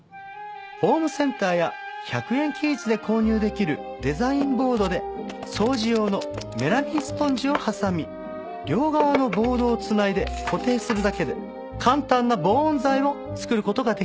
ホームセンターや１００円均一で購入できるデザインボードで掃除用のメラミンスポンジを挟み両側のボードを繋いで固定するだけで簡単な防音材を作る事ができます。